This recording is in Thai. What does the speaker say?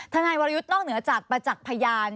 ทนายวรยุทธ์นอกเหนือจากประจักษ์พยาน